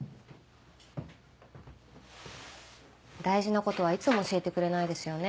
大事なことはいつも教えてくれないですよね。